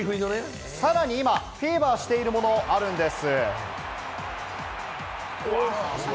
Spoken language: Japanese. さらに今、フィーバーしているものがあるんです。